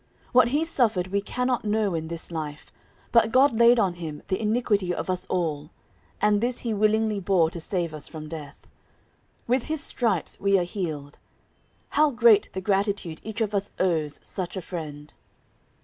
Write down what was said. What He suffered we cannot know in this life; but God laid on Him the iniquity of us all; and this He willingly bore to save us from death. With His stripes we are healed. How great the gratitude each of us owes such a Friend.